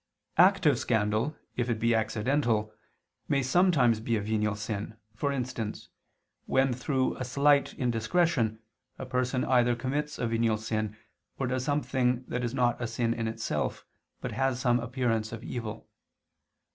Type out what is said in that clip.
Active scandal, if it be accidental, may sometimes be a venial sin; for instance, when, through a slight indiscretion, a person either commits a venial sin, or does something that is not a sin in itself, but has some appearance of evil.